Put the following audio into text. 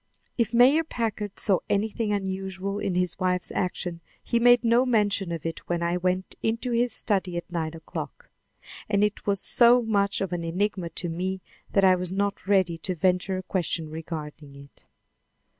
If Mayor Packard saw anything unusual in his wife's action he made no mention of it when I went into his study at nine o'clock. And it was so much of an enigma to me that I was not ready to venture a question regarding it.